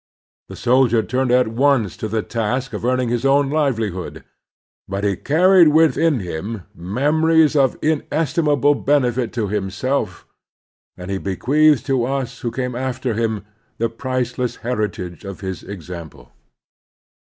The soldier turned at once to the task of earning his own livelihood. But he carried within him mem ories of inestimable benefit to himself, and he bequeathed to us who come after him the priceless 2s6 The Strenuous Life heritage of his example.